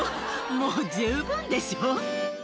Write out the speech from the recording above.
もう十分でしょ。